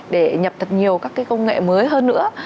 để nhập thật nhiều các cái công nghệ mới hơn nữa